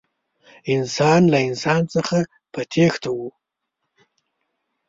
انسان له انسان څخه په تېښته و.